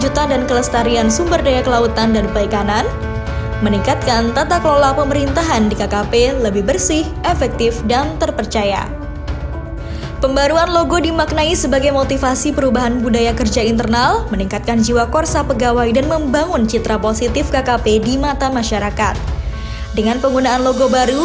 untuk itu dalam sebuah permulaan baru